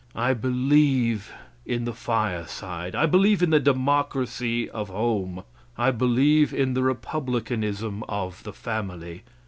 I believe in the fireside. I believe in the democracy of home. I believe in the republicanism of the family.